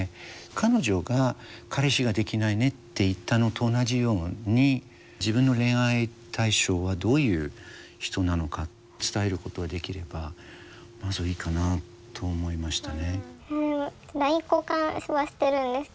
彼女が「彼氏ができないね」って言ったのと同じように自分の恋愛対象はどういう人なのか伝えることができればまずいいかなと思いましたね。